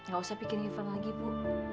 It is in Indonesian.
gak usah pikirin irfan lagi ibu